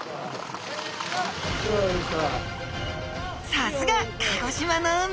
さすが鹿児島の海！